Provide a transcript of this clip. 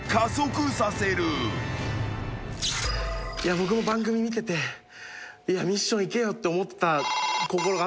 僕も番組見ててミッションいけよって思ってた心があったんです。